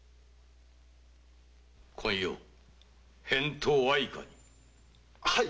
昆陽返答はいかに？